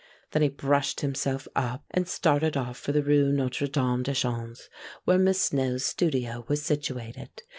Then he brushed himself up and started off for the rue Notre Dame des Champs, where Miss Snell's studio was situated.